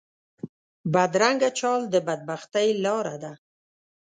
بدرنګه چال د بد بختۍ لاره ده